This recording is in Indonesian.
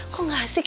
kok gak asik